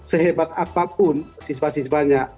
sehebat apapun siswa siswanya